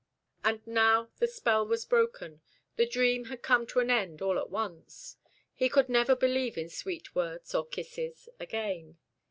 And now the spell was broken; the dream had come to an end all at once. He could never believe in sweet words or kisses again.